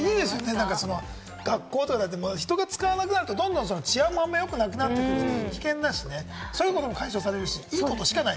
学校とかって、人が使わなくなると治安もよくなくなってくる危険だし、そういうのも解消されるし、いいことしかない。